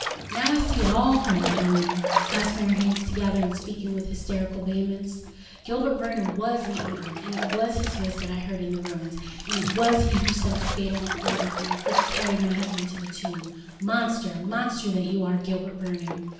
now I see it all!" cried Adeline, clasping her hands together, and speaking with hysterical vehemence: "Gilbert Vernon was in England—it was his voice that I heard in the ruins;—and it was he who sent the fatal and poisoned weed which carried my husband to the tomb! Monster—monster that you are, Gilbert Vernon!"